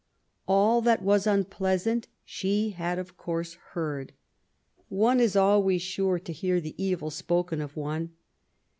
All that was unpleasant she had of course heard. One is always sure to hear the evil spoken of one.